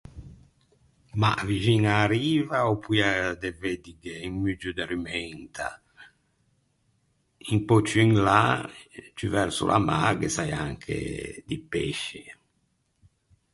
Mah vixin a-a riva ò poia de veddighe un muggio de rumenta. Un pö ciù in là, ciù verso l’amâ, ghe saià anche di pesci.